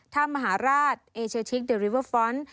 ท่ามหาราชเอเชอทิกเดอร์ริเวอร์ฟรอนต์